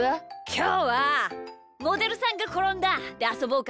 きょうは「モデルさんがころんだ」であそぼうか。